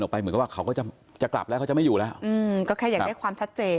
เพราะลูกก็ดีเลยค่ะ